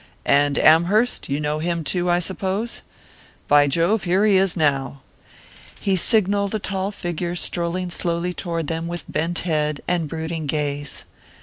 "And Amherst? You know him too, I suppose? By Jove, here he is now " He signalled a tall figure strolling slowly toward them with bent head and brooding gaze.